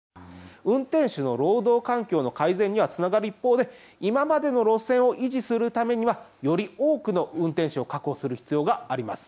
運転手の労働環境の改善にはつながる一方で、今までの路線を維持するためにはより多くの運転手を確保する必要があります。